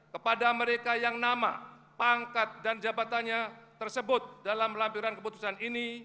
kepada mereka yang nama pangkat dan jabatannya tersebut dalam lampiran keputusan ini